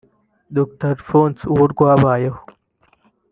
Dr Alphonse Uworwabayeho